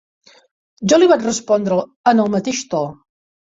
Jo li vaig respondre en el mateix to.